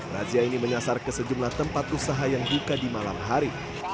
razia ini menyasar ke sejumlah tempat usaha yang buka di malam hari